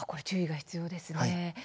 注意が必要ですね。